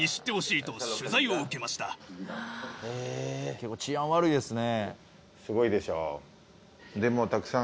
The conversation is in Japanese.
でも治安悪いですね。